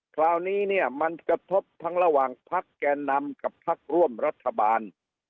คราวนี้เนี่ยมันกระทบทั้งระหว่างพักแก่นำกับพักร่วมรัฐบาล